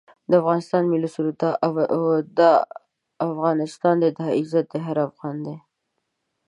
د افغانستان ملي سرود دا افغانستان دی دا عزت هر افغان دی